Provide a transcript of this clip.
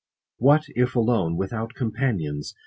What if alone, Without companions